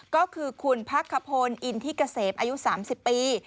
ก็คือคุณพักขพลอินทิเกษมอายุ๓๐ปี